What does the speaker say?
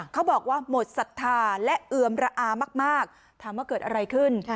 เขาบอกว่าหมดศรัทธาและเอือมระอามากถามว่าเกิดอะไรขึ้น